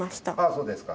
あそうですか。